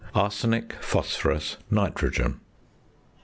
ARSENIC, PHOSPHORUS, NITROGEN.